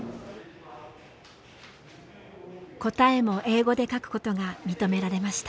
答えも英語で書くことが認められました。